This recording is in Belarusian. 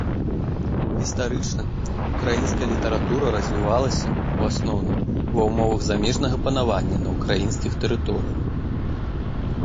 Гістарычна, украінская літаратура развівалася, у асноўным, ва ўмовах замежнага панавання на ўкраінскіх тэрыторыях.